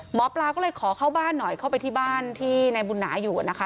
หมอปลาก็เลยขอเข้าบ้านหน่อยเข้าไปที่บ้านที่นายบุญหนาอยู่นะคะ